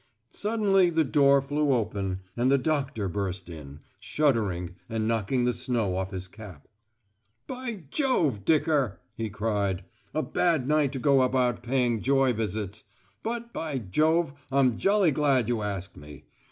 Suddenly the door flew open, and the doctor burst in, shuddering, and knocking the snow off his cap. "By Jove, Dicker," he cried. "A bad night to go about paying joy visits. But, by Jove, I'm jolly glad you asked me.